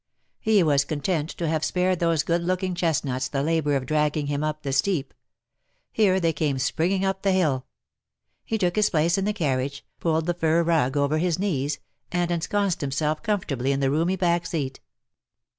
He was content to have spared those good looking chest nuts the labour of dragging him up the steep. Here they came springing up the hill. He took his place in the carriage, pulled the fur rug over his knees, and ensconced himself comfortably in the roomy back seat.